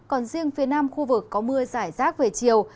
còn riêng phía nam khu vực có mưa giải rác về chiều